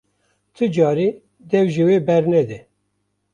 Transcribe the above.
Ti carî dev ji wê bernede!